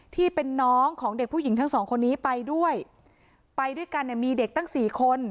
ที่เป็นน้องของเด็กผู้หญิงทั้งสองคนนี้ไปด้วยไปด้วยกันเนี่ยมีเด็กตั้งสี่คน